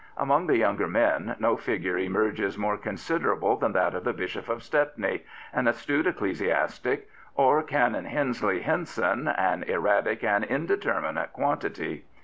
Among the younger men no figure emerges more considerable than that of the Bishop of Stepney, an astute ecclesiastic, or Canon Hensley Henson, an erratic and indeterminate quantity.